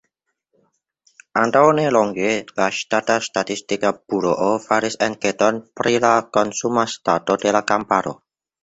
Antaŭnelonge la ŝtata statistika buroo faris enketon pri la konsuma stato de la kamparo.